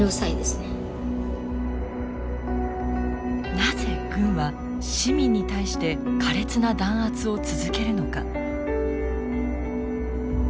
なぜ軍は市民に対して苛烈な弾圧を続けるのか？